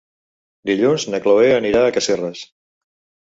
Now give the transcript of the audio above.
Dilluns na Chloé anirà a Casserres.